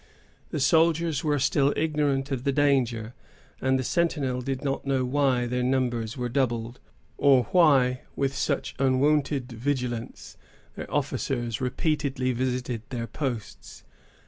The soldiers were still ignorant of the danger; and the sentinels did not know why their numbers were doubled, or why, with such unwonted vigilance, their officers repeatedly visited their posts.